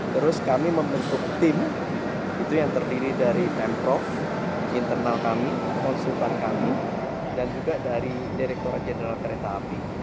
terus kami membentuk tim itu yang terdiri dari pemprov internal kami konsultan kami dan juga dari direkturat jenderal kereta api